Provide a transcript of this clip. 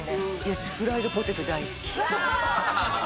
私、フライドポテト大好き。